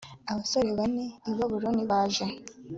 abasore bane i babuloni baje